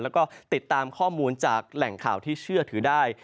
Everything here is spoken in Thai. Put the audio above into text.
แล้วก็ติดตามข้อมูลจากแหล่งข่าวที่เชื่อถือได้